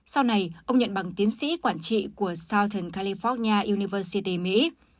sau này ông nhận bằng tiến sĩ quản trị của southern california university mỹ